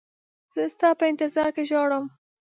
زه ستا په انتظار کې ژاړم.